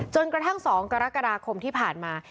จนกระทั่ง๒กรกฎาคมที่ผ่านมา